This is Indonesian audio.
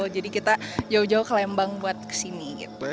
jadi kita jauh jauh ke lembang buat kesini gitu